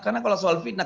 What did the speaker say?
karena kalau soal fitnah